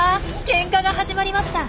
ケンカが始まりました。